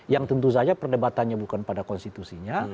yang tentu saja perdebatannya bukan pada konstitusinya